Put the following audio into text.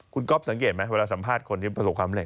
คุณก๊อฟสังเกตไหมเวลาสัมภาษณ์คนที่ประสบความเร็